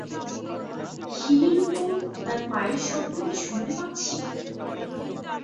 সিঁড়ির উপর তার পায়ের শব্দ কি শুনতে পাচ্ছি।